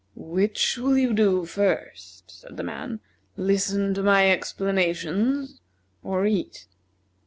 "Which will you do first," said the man, "listen to my explanations, or eat?"